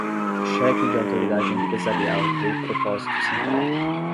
Cheque de autoridade empresarial de propósito central